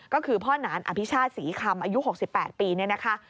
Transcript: ก็คือพ่อหนานอภิชาติศรีคำอายุ๖๘ปีเนี่ยนะคะ